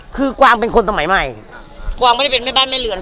คือกวางเป็นคนสมัยใหม่กวางไม่ได้เป็นแม่บ้านแม่เรือน